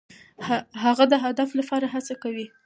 هغه د هدف لپاره هڅه کوي.